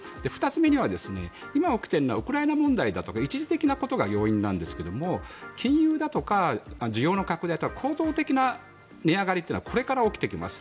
２つ目には、今、起きているのはウクライナ問題だとか一時的なことが要因なんですけど金融とか需要の拡大とか構造的な値上がりはこれから起きてきます。